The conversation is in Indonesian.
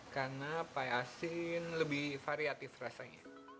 karena pie asin lebih variatif rasanya